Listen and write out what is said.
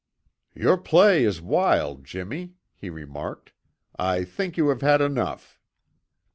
"Your play is wild, Jimmy," he remarked. "I think you have had enough."